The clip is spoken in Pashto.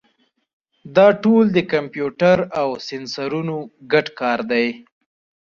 دا ټول د کمپیوټر او سینسرونو ګډ کار دی.